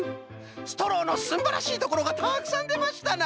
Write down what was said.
ストローのすんばらしいところがたくさんでましたな！